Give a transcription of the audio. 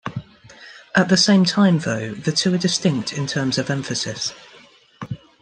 At the same time though, the two are distinct in terms of emphasis.